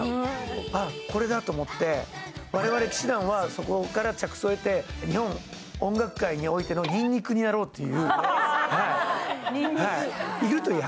あ、これだと思って、我々氣志團はそこから着想をえて、日本音楽界においてのニンニクになろうという。